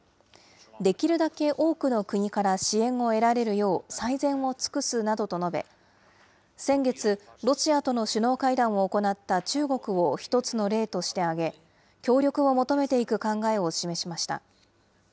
できるだけ多くの国から支援を得られるよう、最善を尽くすなどと述べ、先月、ロシアとの首脳会談を行った中国を一つの例として挙げ、協力を求めていく考えを示しました。